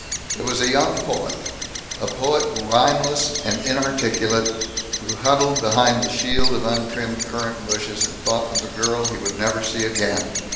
It was a young poet, a poet rhymeless and inarticulate, who huddled behind the shield of untrimmed currant bushes, and thought of the girl he would never see again.